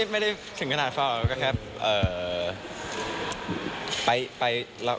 ไม่ได้ถึงขนาดฟังครับ